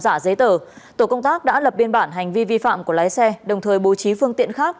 giả giấy tờ tổ công tác đã lập biên bản hành vi vi phạm của lái xe đồng thời bố trí phương tiện khác